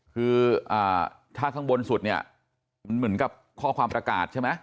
คือถ้าข้างบนสุดเนี่ยมันเหมือนกับข้อความประกาศใช่ไหม